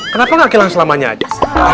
kenapa gak kehilangan selamanya aja